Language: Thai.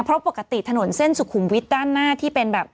เพราะปกติถนนเส้นสุขุมวิทย์ด้านหน้าที่เป็นแบบ